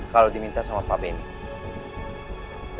kalau diminta sama pak benny